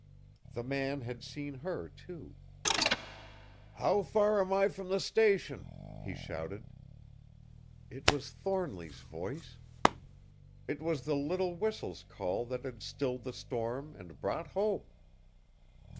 The man had seen her, too. "How far am I from the Station?" he shouted. It was Thornly's voice! It was the little whistle's call that had stilled the storm, and brought hope!